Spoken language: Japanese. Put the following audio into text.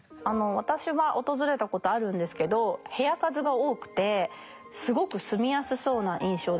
私は訪れたことあるんですけど部屋数が多くてすごく住みやすそうな印象です。